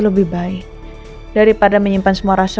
sem destinaku itu mengejar apa akarnya